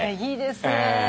いいですね。